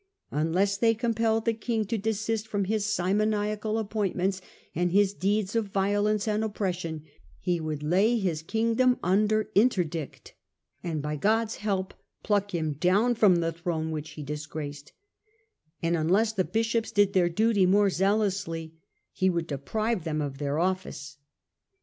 Unless they compelled the king to desist from his simoniacal appointments and his deeds of vio lence and oppression, he would lay his kingdom under interdict, and by God's help pluck him down from the throne which he disgraced ; and unless the bishops did their duty more zealously, he would deprive them of their office.